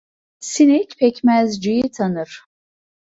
Sinek pekmezciyi tanır.